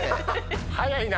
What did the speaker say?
早いな！